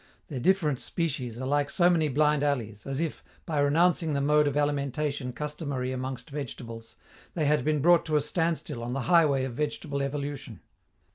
Their different species are like so many blind alleys, as if, by renouncing the mode of alimentation customary amongst vegetables, they had been brought to a standstill on the highway of vegetable evolution.